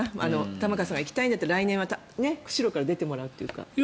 玉川さんが行きたいんだったら来年は釧路から出てもらうというか。